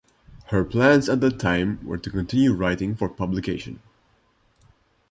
Her plans at that time were to continue writing for publication.